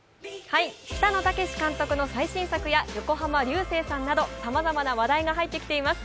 北野武監督の最新作や横浜流星さんなどさまざまな話題が入ってきています。